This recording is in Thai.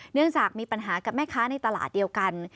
เนื่องจากมีปัญหากับแม่ค้าในตลาดเดียวกัน